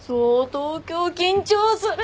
東京緊張する！